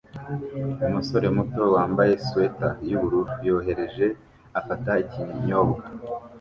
Umusore muto wambaye swater yubururu yoroheje afata ikinyobwa